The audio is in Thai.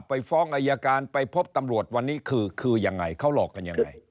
ไปฟ้องอายการไปพบตำรวจวันนี้คือคือยังไงเขาหลอกกันยังไง